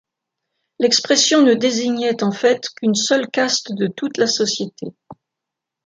L'expression ne désignait en fait qu'une seule caste de toute la société.